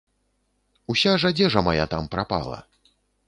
Уся ж адзежа мая там прапала.